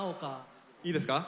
いいですか？